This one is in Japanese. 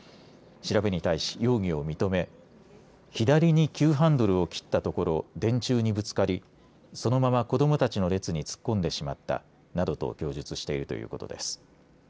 調べに対し容疑を認め左に急ハンドルを切ったところ電柱にぶつかりそのまま子どもたちの列に突っ込んでしまったなどと供述しているということです。